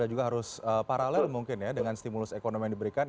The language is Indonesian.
juga harus paralel mungkin ya dengan stimulus ekonomi yang diberikan